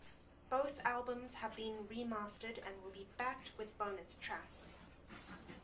Both albums have been remastered and will be backed with bonus tracks.